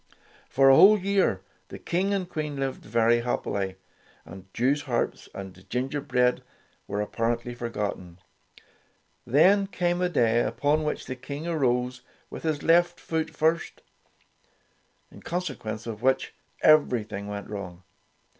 For a whole year the King and Queen lived very happily, and Jewsharps and gin gerbread were apparently forgotten. Then came a day upon which the King arose with his left foot first, in consequence of which everything went wrong.